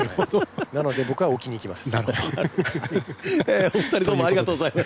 なので、僕は置きにいきます。